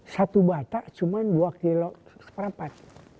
satu batak cuma dua kilo seperapat